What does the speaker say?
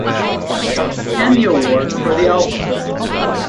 Handy Award for the album.